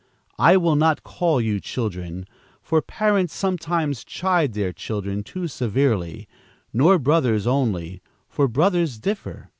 I will not call you children, for parents sometimes chide their children too severely, nor brothers only, for brothers differ.